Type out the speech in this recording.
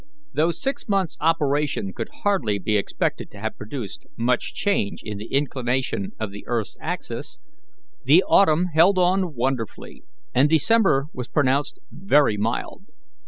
Though six months' operations could hardly be expected to have produced much change in the inclination of the earth's axis, the autumn held on wonderfully, and December was pronounced very mild.